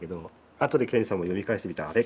あとで賢治さんも読み返してみてあれ？